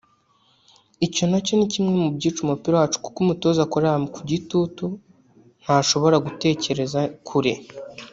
Icyo nacyo ni kimwe mu byica umupira wacu kuko umutoza azakorera ku gitutu ntashobora gutekereza kure